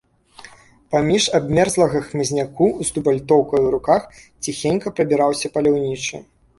Паміж абмерзлага хмызняку з дубальтоўкай у руках ціхенька прабіраўся паляўнічы.